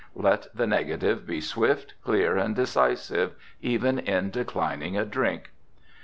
Let the negative be swift, clear and decisive, even in declining a drink.